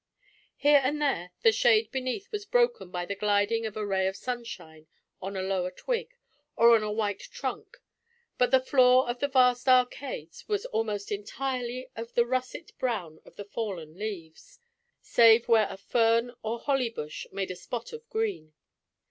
Here and there the shade beneath was broken by the gilding of a ray of sunshine on a lower twig, or on a white trunk, but the floor of the vast arcades was almost entirely of the russet brown of the fallen leaves, save where a fern or holly bush made a spot of green.